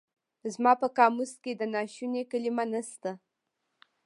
زما په قاموس کې د ناشوني کلمه نشته.